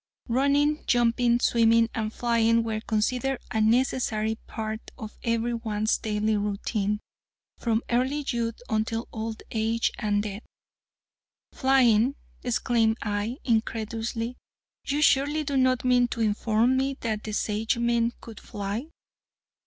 Running, jumping, swimming, and flying were considered a necessary part of every one's daily routine, from early youth until old age and death." "Flying," exclaimed I, incredulously, "you surely do not mean to inform me that the Sagemen could fly?"